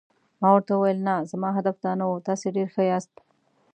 ما ورته وویل: نه، زما هدف دا نه و، تاسي ډېر ښه یاست.